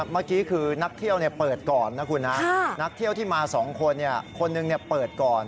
เมื่อกี้คือนักเที่ยวเปิดก่อนนะคุณนะนักเที่ยวที่มา๒คนคนหนึ่งเปิดก่อน